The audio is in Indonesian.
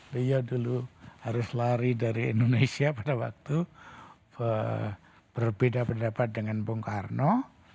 beliau dulu harus lari dari indonesia pada waktu berbeda pendapat dengan bung karno